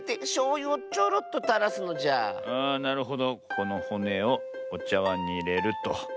このほねをおちゃわんにいれると。